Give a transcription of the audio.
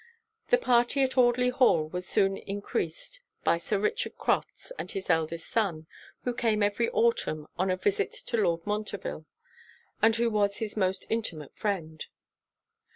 The party at Audley Hall was soon encreased by Sir Richard Crofts and his eldest son, who came every autumn on a visit to Lord Montreville, and who was his most intimate friend.